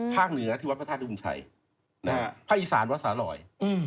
เหนือที่วัดพระธาตุดุงชัยนะฮะภาคอีสานวัดสาลอย